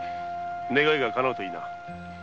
願いがかなうとよいな。